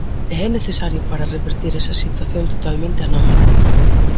E é necesario para reverter esa situación totalmente anómala.